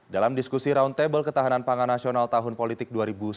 dalam diskusi roundtable ketahanan pangan nasional tahun politik dua ribu sembilan belas